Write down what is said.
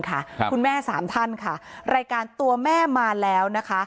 คุณแม่สามท่านค่ะรายการตัวแม่มาแล้วนะคะ